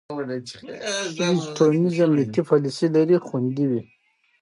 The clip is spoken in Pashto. ښځې چې ټولنیز امنیتي پالیسۍ لري، خوندي وي.